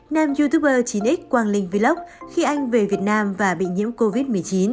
nam youtuber chín x quang linh vlock khi anh về việt nam và bị nhiễm covid một mươi chín